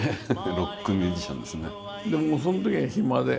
ロックミュージシャンですね。